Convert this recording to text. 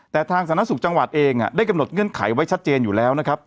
แต่ทางสถานศูนย์สุขจังหวัดเองได้กำหนดเงื่อนไขไว้ชัดเจนอยู่แล้ว